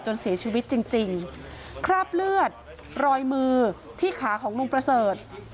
เสียชีวิตจริงจริงคราบเลือดรอยมือที่ขาของลุงประเสริฐ